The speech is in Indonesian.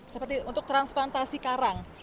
seperti untuk transplantasi karang